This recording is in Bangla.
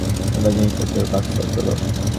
এবার জিনিসপত্রগুলো বাক্সয় তোলো।